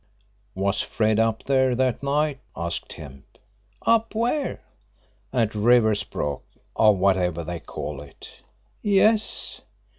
"Was Fred up there that night?" asked Kemp. "Up where?" "At Riversbrook, or whatever they call it." "Yes."